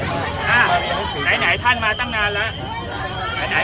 ผมอยากเปิดเวรให้กว้างนี้ด้วย